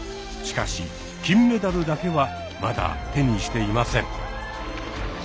しかし金メダルだけはまだ手にしていません。